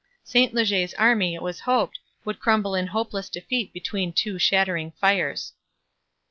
St Leger's army, it was hoped, would crumble in hopeless defeat between two shattering fires.